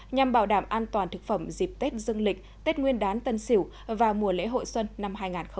nhằm bảo đảm an toàn thực phẩm dịp tết dương lịch tết nguyên đán tân sỉu và mùa lễ hội xuân năm hai nghìn hai mươi một